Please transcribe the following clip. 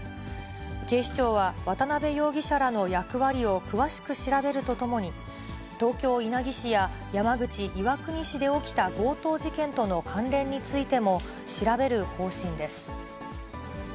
警視庁は渡辺容疑者らの役割を詳しく調べるとともに、東京・稲城市や山口・岩国市で起きた強盗事件との関連についても、調べる方針です。